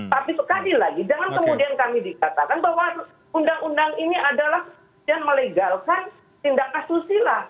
tapi sekali lagi jangan kemudian kami dikatakan bahwa undang undang ini adalah yang melegalkan tindak asusila